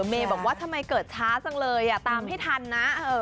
เมย์บอกว่าทำไมเกิดช้าจังเลยตามให้ทันนะ